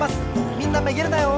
みんなめげるなよ！